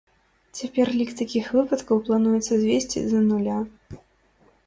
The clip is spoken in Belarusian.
Цяпер лік такіх выпадкаў плануецца звесці да нуля.